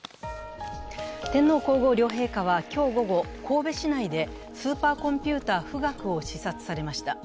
天皇皇后両陛下は今日午後、神戸市内でスーパーコンピュータ、富岳を視察されました。